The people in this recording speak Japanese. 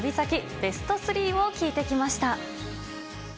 ベスト３を聞いてきました。